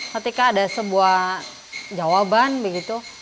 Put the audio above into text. ketika ada sebuah jawaban begitu